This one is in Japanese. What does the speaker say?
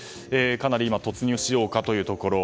今、突入しようかというところ。